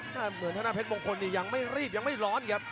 น่าเหมือนท่านหน้าเพชรมงคลยังไม่รีบยังไม่ร้อน